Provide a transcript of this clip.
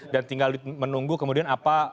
dan tinggal menunggu kemudian apa